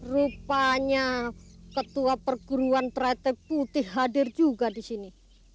rupanya ketua perguruan trate putih hadir juga di sini